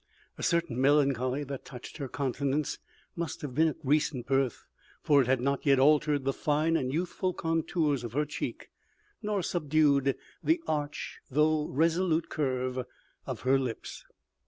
A certain melancholy that touched her countenance must have been of recent birth, for it had not yet altered the fine and youthful contours of her cheek, nor subdued the arch though resolute curve of her lips.